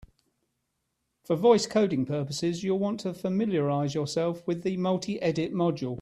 For voice coding purposes, you'll want to familiarize yourself with the multiedit module.